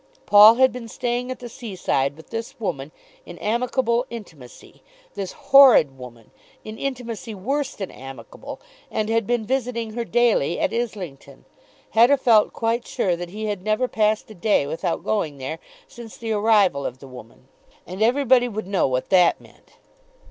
Paul had been staying at the seaside with this woman in amicable intimacy, this horrid woman, in intimacy worse than amicable, and had been visiting her daily at Islington! Hetta felt quite sure that he had never passed a day without going there since the arrival of the woman; and everybody would know what that meant.